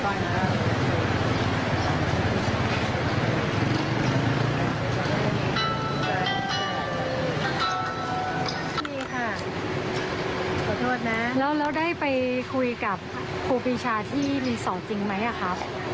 แล้วเราได้ไปคุยกับครูพิชาที่ลีสอร์ทจริงไหมครับ